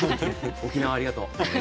沖縄、ありがとう。